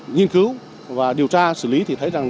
nghiên cứu và điều tra xử lý thì thấy rằng